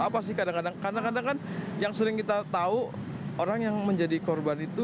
apa sih kadang kadang kan yang sering kita tahu orang yang menjadi korban itu